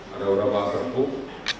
ada beberapa serbuk